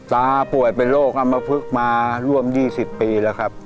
ตาป่วยเป็นโรคอำมพลึกมาร่วม๒๐ปีแล้วครับ